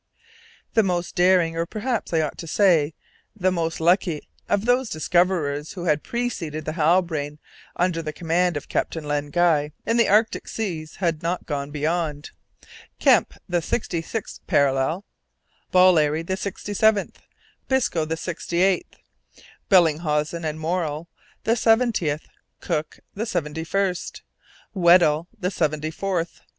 The most daring, or, perhaps I ought to say, the most lucky of those discoverers who had preceded the Halbrane, under the command of Captain Len Guy, in the Antarctic seas, had not gone beyond Kemp, the sixty sixth parallel; Ballerry, the sixty seventh; Biscoe, the sixty eighth; Bellinghausen and Morrell, the seventieth; Cook, the seventy first; Weddell, the seventy fourth.